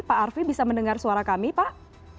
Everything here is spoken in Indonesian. pak arfi bisa mendengar suara kami pak